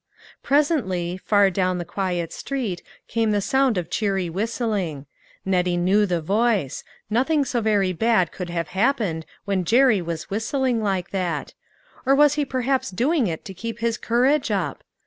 Presently, far down the quiet street came the sound of cheery whistling; Nettie knew the voice : nothing so very bad could have happened when Jerry was whistling like that ; or was he perhaps doing it to keep his courage up